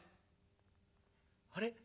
「あれ？